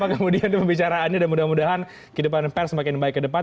terima kasih banyak kemudian pembicaraannya dan mudah mudahan kehidupan pers semakin baik ke depan